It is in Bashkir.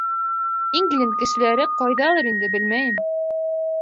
Ингленд кешеләре ҡайҙалыр инде, белмәйем.